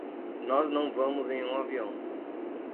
Nós não vamos em um avião.